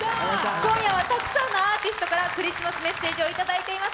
今夜はたくさんのアーティストからＣｈｒｉｓｔｍａｓメッセージをいただいています。